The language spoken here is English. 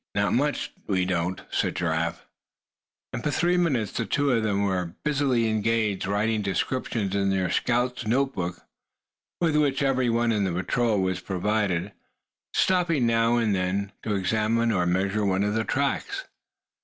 "Not much we don't," said Giraffe. And for three minutes the two of them were busily engaged writing descriptions in their scout's note book, with which every one in the patrol was provided; stopping now and then to examine or measure one of the tracks.